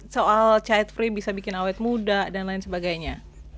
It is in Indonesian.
soal childfree bisa bikin awet muda dan lain sebagainya